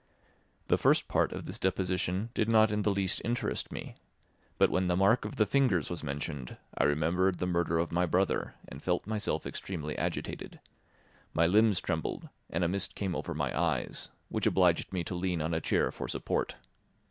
The first part of this deposition did not in the least interest me, but when the mark of the fingers was mentioned I remembered the murder of my brother and felt myself extremely agitated; my limbs trembled, and a mist came over my eyes, which obliged me to lean on a chair for support.